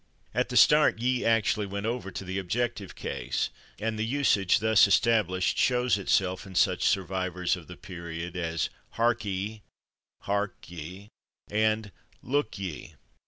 At the start /ye/ actually went over to the objective case, and the usage thus established shows itself in such survivors of the period as /harkee/ (/hark ye/) and /look ye